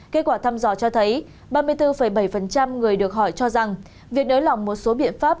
kết quả thăm dò cho thấy ba mươi bốn bảy người được hỏi cho rằng việc nới lỏng một số biện pháp